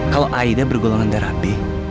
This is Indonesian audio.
kalau aida bergolongan darah b